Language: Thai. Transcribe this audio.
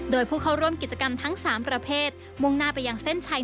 โดยผู้เข้าร่วมกิจกรรมทั้ง๓ประเภทมุ่งหน้าไปยังเส้นชัย